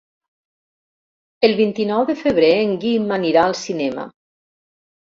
El vint-i-nou de febrer en Guim anirà al cinema.